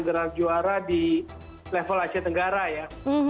gerak juara di level asia tenggara ya